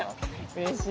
うれしい。